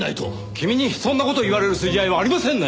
君にそんな事を言われる筋合いはありませんね！